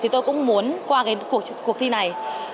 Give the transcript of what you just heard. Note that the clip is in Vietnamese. tôi cũng muốn qua cuộc thi này